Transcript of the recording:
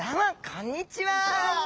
こんにちは。